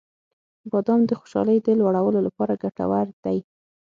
• بادام د خوشحالۍ د لوړولو لپاره ګټور دی.